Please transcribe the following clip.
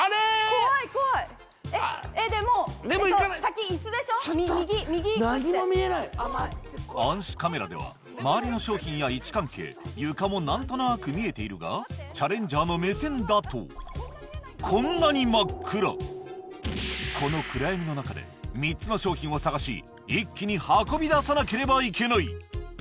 怖い怖い右右行くって暗視カメラでは周りの商品や位置関係床も何となく見えているがチャレンジャーの目線だとこんなにこの暗闇の中で３つの商品をさがし一気に運び出さなければいけない